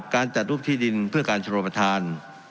การจัดรูปที่ดินเพื่อการชนรับประทาน